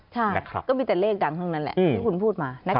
ใช่ก็มีแต่เลขดังทั้งนั้นแหละที่คุณพูดมา